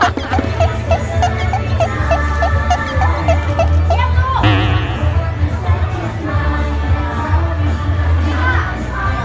แต่ตอนเกาะที่เราไม่เคยเจอที่จะกลับมากี่ปีอีก